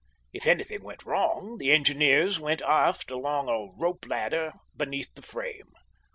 If anything went wrong, the engineers went aft along a rope ladder beneath the frame.